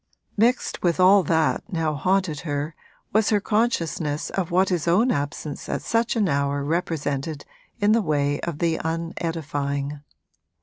Mixed with all that now haunted her was her consciousness of what his own absence at such an hour represented in the way of the unedifying.